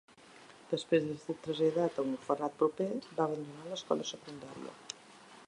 Després de ser traslladat a un orfenat proper, va abandonar l'escola secundària.